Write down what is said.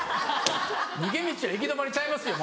逃げ道は行き止まりちゃいますよ